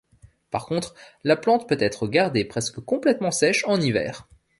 Par contre, la plante peut être gardée presque complètement sèche en hiver.